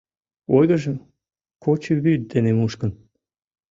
Ойгыжым кочывӱд дене мушкын.